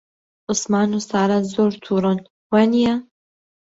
عوسمان و سارا زۆر تووڕەن، وانییە؟